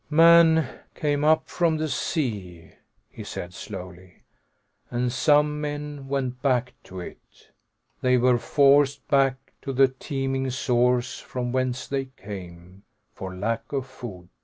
"Man came up from the sea," he said slowly, "and some men went back to it. They were forced back to the teeming source from whence they came, for lack of food.